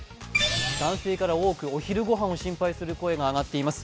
男性から多く、お昼御飯を心配する声が上がっています。